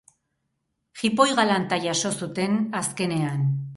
Jipoi galanta jaso zuten, azkenean.